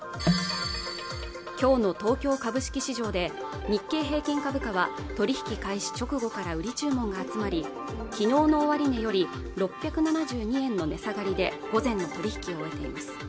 きょうの東京株式市場で日経平均株価は取引開始直後から売り注文が集まりきのうの終値より６７２円の値下がりで午前の取引を終えています